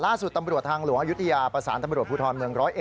ตำรวจทางหลวงอายุทยาประสานตำรวจภูทรเมือง๑๐๑